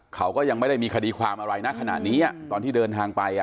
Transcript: เขาก็ยังไม่ได้มีคดีความอะไรนะขณะนี้ตอนที่เดินทางไป